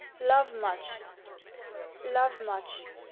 LOVE MUCH. Love much.